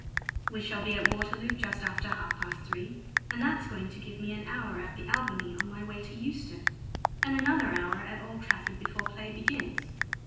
We shall be at Waterloo just after half past three, and that's going to give me an hour at the Albany on my way to Euston, and another hour at Old Trafford before play begins.